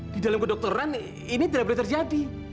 di dalam kedokteran ini tidak boleh terjadi